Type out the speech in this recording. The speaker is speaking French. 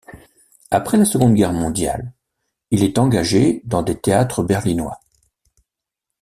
Après la Seconde Guerre mondiale, il est engagé dans des théâtres berlinois.